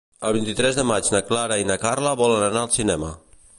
El vint-i-tres de maig na Clara i na Carla volen anar al cinema.